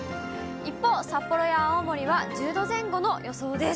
一方、札幌や青森は１０度前後の予想です。